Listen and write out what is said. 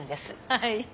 はい。